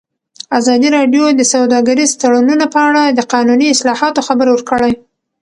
ازادي راډیو د سوداګریز تړونونه په اړه د قانوني اصلاحاتو خبر ورکړی.